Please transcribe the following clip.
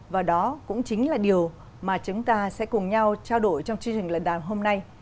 và đó cũng chính là điều mà chúng ta sẽ cùng nhau trao đổi trong chương trình lần đàm hôm nay